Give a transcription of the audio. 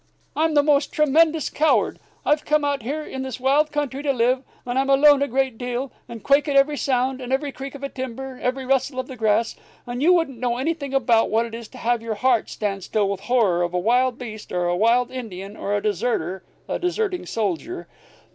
"I'm the most tremendous coward. I've come out here in this wild country to live, and I'm alone a great deal, and I quake at every sound, every creak of a timber, every rustle of the grass. And you don't know anything about what it is to have your heart stand still with horror of a wild beast or a wild Indian or a deserter a deserting soldier.